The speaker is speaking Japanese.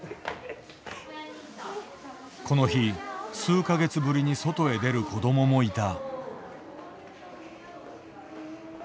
この日数か月ぶりに外へ出る子どももいた。